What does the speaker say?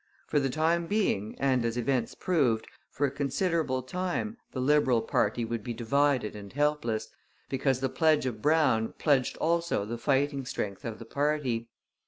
For the time being, and, as events proved, for a considerable time, the Liberal party would be divided and helpless, because the pledge of Brown pledged also the fighting strength of the party.